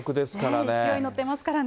勢いに乗ってますからね。